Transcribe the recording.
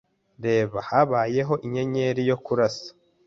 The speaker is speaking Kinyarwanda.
Reba! Habaho inyenyeri yo kurasa.